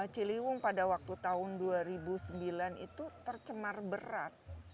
ciliwung pada waktu tahun dua ribu sembilan itu tercemar berat